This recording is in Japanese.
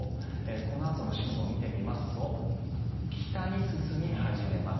このあとの進路を見てみますと北に進み始めます。